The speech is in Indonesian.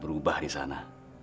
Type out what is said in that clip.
bisa berubah di sana